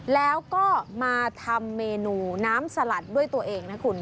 แล้วก็มาทำเมนูน้ำสลัดด้วยตัวเองนะคุณ